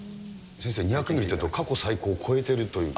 先生、２００ミリというと過去最高を超えてるという。